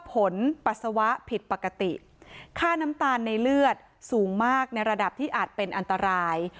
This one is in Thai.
ปัสสาวะผิดปกติค่าน้ำตาลในเลือดสูงมากในระดับที่อาจเป็นอันตราย